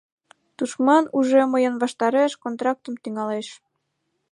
Тушман уже мыйын ваштареш контратакым тӱҥалеш!